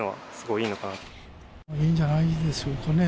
いいんじゃないでしょうかね。